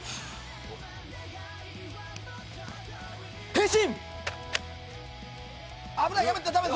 変身！